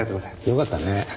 よかったね。